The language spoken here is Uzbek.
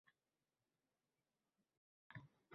Narsalarni joy-joyiga qo‘yish.